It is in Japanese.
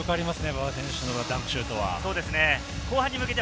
馬場選手のダンクシュートは。